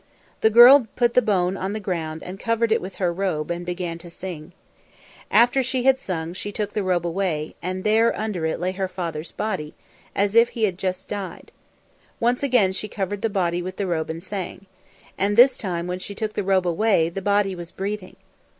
The girl put the bone on the ground and covered it with her robe and began to sing. After she had sung she took the robe away, and there under it lay her father's body, as if he had just died. Once again she covered the body with the robe and sang, and this time when she took the robe away the body was breathing.